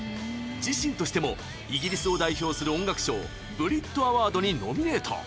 自身としてもイギリスを代表する音楽賞「ＢＲＩＴＡｗａｒｄｓ」にノミネート。